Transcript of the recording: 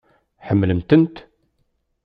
Ḥemmlen-tent?